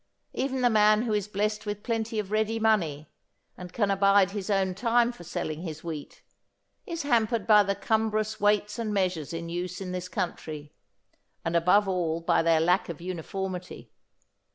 Even the man who is blessed with plenty of ready money, and can abide his own time for selling his wheat, is hampered by the cumbrous weights and measures in use in this country, and above all by their lack of uniformity.